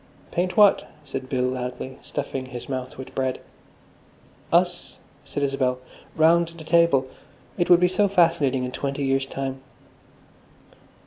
"Paint what?" said Bill loudly, stuffing his mouth with bread. "Us," said Isabel, "round the table. It would be so fascinating in twenty years' time."